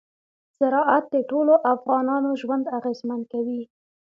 زراعت د ټولو افغانانو ژوند اغېزمن کوي.